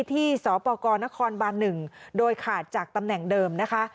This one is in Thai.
ที่สปกนครบัน๑โดยขาดจากตำแหน่งเดิมนะคะ